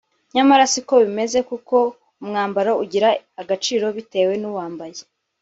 nyamara siko bimeze kuko umwambaro ugira agaciro bitewe n’ uwambaye